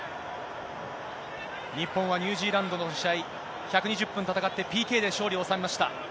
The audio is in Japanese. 日本はニュージーランドとの試合、１２０分戦って、ＰＫで勝利を収めました。